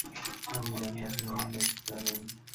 আমি জানি আপনি আমার নেক্সট চ্যালেঞ্জ!